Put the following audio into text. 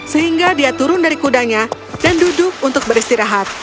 sehingga dia turun dari kudanya dan duduk untuk beristirahat